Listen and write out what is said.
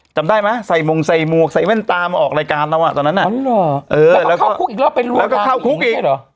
จำได้ไหมใส่มงใส่หมวกใส่แว่นตามาออกรายการเราอ่ะตอนนั้นอ่ะอ๋อเหรอเออแล้วก็เข้าคุกอีกรอบไปรู้แล้วก็เข้าคุกเองเหรอ